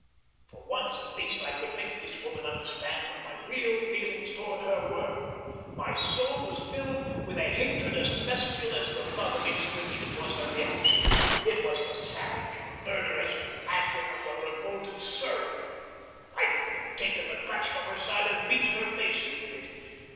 For once at least I could make this woman understand what my real feelings toward her were. My soul was filled with a hatred as bestial as the love against which it was a reaction. It was the savage, murderous passion of the revolted serf. I could have taken the crutch from her side and beaten her face in with it.